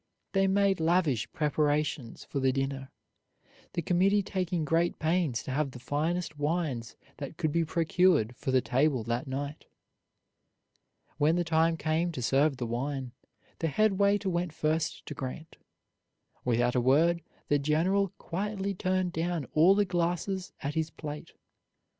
They made lavish preparations for the dinner, the committee taking great pains to have the finest wines that could be procured for the table that night. When the time came to serve the wine, the headwaiter went first to Grant. Without a word the general quietly turned down all the glasses at his plate.